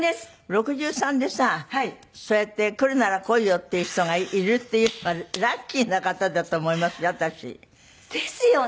６３でさそうやって「来るなら来いよ！」って言う人がいるっていうのがラッキーな方だと思いますよ私。ですよね！